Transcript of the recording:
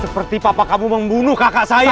seperti papa kamu membunuh kakak saya